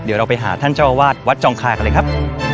เดี๋ยวเราไปหาท่านเจ้าอาวาสวัดจองคากันเลยครับ